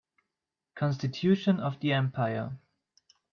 Constitution of the empire